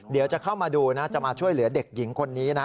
เดี๋ยวจะเข้ามาดูนะจะมาช่วยเหลือเด็กหญิงคนนี้นะ